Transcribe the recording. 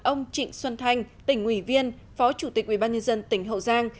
ông trịnh xuân thanh tỉnh ủy viên phó chủ tịch ủy ban nhân dân tỉnh hậu giang